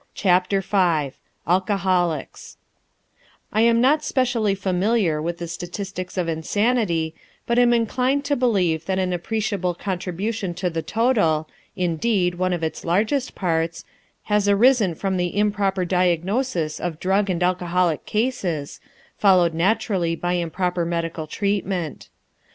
CHAPTER V ALCOHOLICS I am not specially familiar with the statistics of insanity, but I am inclined to believe that an appreciable contribution to the total indeed, one of its largest parts has arisen from the improper diagnosis of drug and alcoholic cases, followed naturally by improper medical treatment.